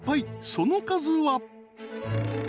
［その数は］